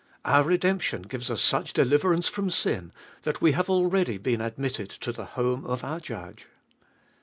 Our redemption gives us such deliverance from sin, that we have already been admitted to the home of our Judge.